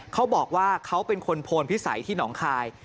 เขาบอกว่าเขาเป็นคนโพนพิสัยที่หนองคาย